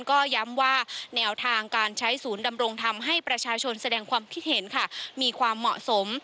ก็ย้ำว่าแนวทางการใช้ศูนย์ดำรงทำให้ประชาชนแสดงความคิดเห็นค่ะมีความเหมาะสม